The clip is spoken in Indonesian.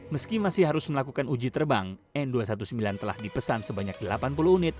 meski masih harus melakukan uji terbang n dua ratus sembilan belas telah dipesan sebanyak delapan puluh unit